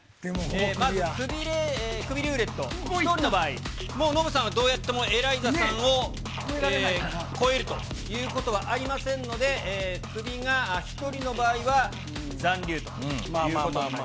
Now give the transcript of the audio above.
まずクビルーレット、１人の場合、もうノブさんはどうやってもエライザさんを超えるということはありませんので、クビが１人の場合は残留ということになります。